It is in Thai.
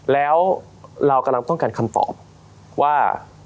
แล้วเรากำลังต้องการคำตอบว่า